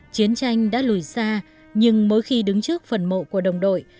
chiến tranh đã lùi xa nhưng mỗi khi đứng trước phần mộ của đồng đội